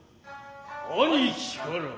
兄貴から。